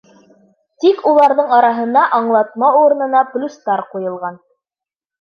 Тик уларҙың араһына аңлатма урынына плюстар ҡуйылған.